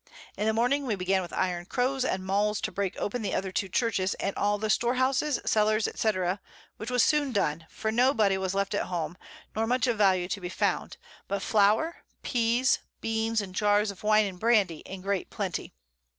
In the Morning we began with Iron Crows and Mauls to break open the other two Churches, and all the Store houses, Cellars, &c. which was soon done, for no body was left at home, nor much of Value to be found, but Flower, Peas, Beans, and Jars of Wine and Brandy in great Plenty.